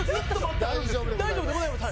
大丈夫でございます。